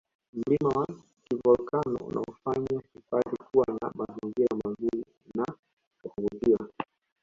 mlima wa kivolkano unaofanya hifadhi kuwa na mazingira mazuri na yakuvutia